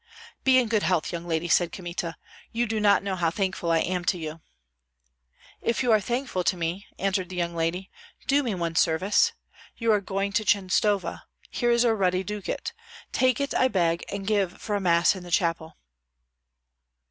"Be in good health, young lady," said Kmita; "you do not know how thankful I am to you." "If you are thankful to me," answered the young lady, "do me one service. You are going to Chenstohova; here is a ruddy ducat, take it, I beg, and give it for a Mass in the chapel."